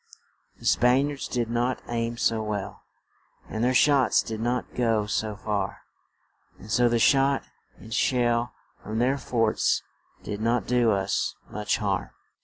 The Span iards did not aim so well, and their shots did not go so far, and so the shot and shell from their forts did not do us much harm.